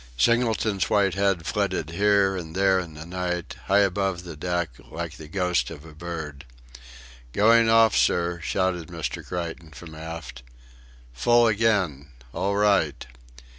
Singleton's white head flitted here and there in the night, high above the deck, like the ghost of a bird. "Going off, sir!" shouted Mr. Creighton from aft. "Full again." "All right...